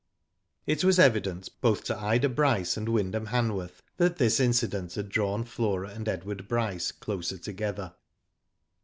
It was evident both to Ida Bryce and Wyndham Hanworth that this incident had drawn Flora and Edward Bryce closer together.